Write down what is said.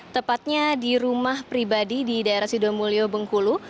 tepatnya di rumah pribadi di daerah sidomulyo bengkulu